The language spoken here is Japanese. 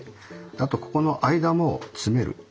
あとここの間も詰める。